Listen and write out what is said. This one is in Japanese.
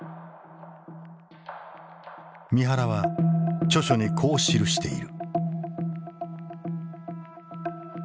三原は著書にこう記している。